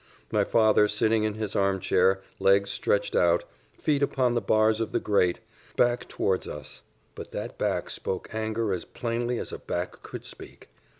My father sitting in his arm chair, legs stretched out, feet upon the bars of the grate, back towards us but that back spoke anger as plainly as a back could speak.